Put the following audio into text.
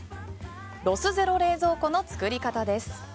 ロスゼロ冷蔵庫のつくり方です。